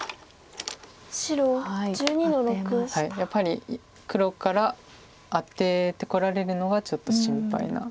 やっぱり黒からアテてこられるのがちょっと心配な。